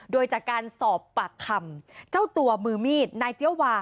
โดยจากการสอบปากคำเจ้าตัวมือมีดนายเจี๊ยวา